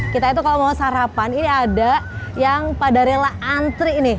kita itu kalau mau sarapan ini ada yang pada rela antri nih